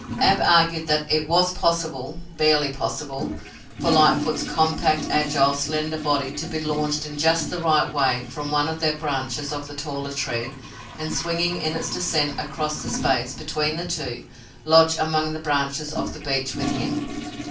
Ab argued that it was possible barely possible for Lightfoot's compact, agile, slender body to be launched in just the right way from one of the branches of the taller tree, and, swinging in its descent across the space between the two, lodge among the branches of the beech with him.